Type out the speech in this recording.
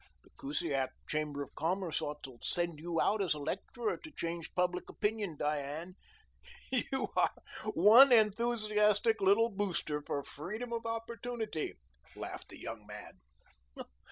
"The Kusiak Chamber of Commerce ought to send you out as a lecturer to change public opinion, Diane. You are one enthusiastic little booster for freedom of opportunity," laughed the young man.